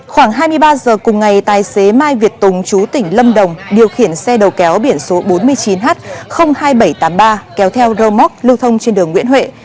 khoảng hai mươi ba h cùng ngày tài xế mai việt tùng chú tỉnh lâm đồng điều khiển xe đầu kéo biển số bốn mươi chín h hai nghìn bảy trăm tám mươi ba kéo theo rơ móc lưu thông trên đường nguyễn huệ